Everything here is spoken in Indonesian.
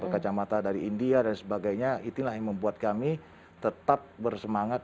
kacamata dari india dan sebagainya itulah yang membuat kami tetap bersemangat